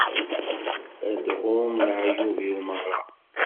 Ad tɣum leεyub-iw meṛṛa.